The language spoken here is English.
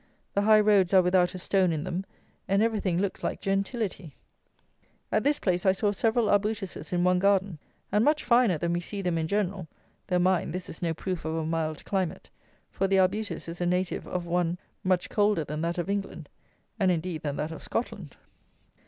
The high roads are without a stone in them; and everything looks like gentility. At this place I saw several arbutuses in one garden, and much finer than we see them in general; though, mind, this is no proof of a mild climate; for the arbutus is a native of one much colder than that of England, and indeed than that of Scotland.